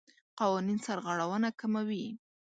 قوانین سرغړونه کموي.